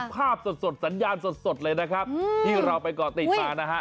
ภาพสดสัญญาณสดเลยนะครับที่เราไปก่อติดมานะฮะ